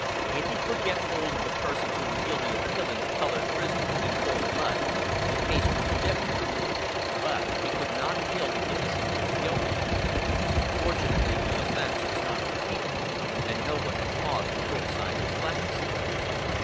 If he could get hold of the persons who were guilty of killing the colored prisoners in cold blood, the case would be different; but he could not kill the innocent for the guilty. Fortunately the offense was not repeated, and no one had cause to criticize his clemency.